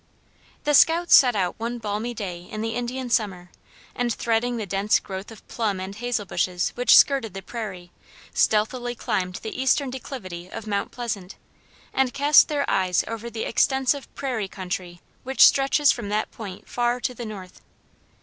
The scouts set out one balmy day in the Indian summer, and threading the dense growth of plum and hazel bushes which skirted the prairie, stealthily climbed the eastern declivity of Mount Pleasant, and cast their eyes over the extensive prairie country which stretches from that point far to the north.